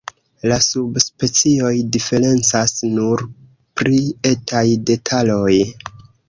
La subspecioj diferencas nur pri etaj detaloj.